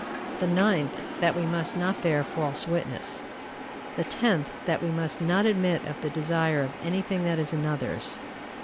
The ninth, that we must not bear false witness. The tenth, that we must not admit of the desire of any thing that is another's.